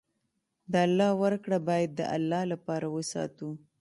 د الله ورکړه باید د الله لپاره وساتو.